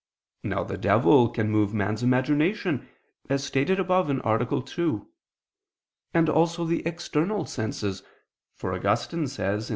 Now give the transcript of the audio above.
Now the devil can move man's imagination, as stated above (A. 2); and also the external senses, for Augustine says (Qq.